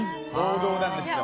王道なんですよ。